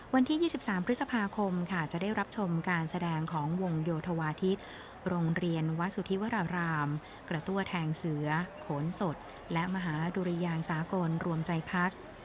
วันที่๒๓พฤษภาคมค่ะจะได้รับชมการแสดงของวงโยธวาทิศโรงเรียนวัดสุธิวรารามกระตั้วแทงเสือโขนสดและมหาดุริยางสากลรวมใจพัก